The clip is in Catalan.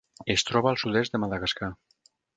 Es troba al sud-est de Madagascar.